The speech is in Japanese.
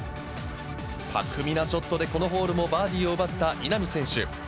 巧みなショットで、このホールもバーディーを奪った稲見選手。